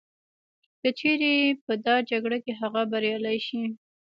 که چیري په دا جګړه کي هغه بریالی سي